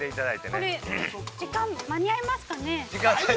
◆これ、時間間に合いますかね。